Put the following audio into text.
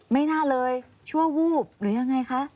ไม่น่าเลยชั่ววูบหรือยังไงคะ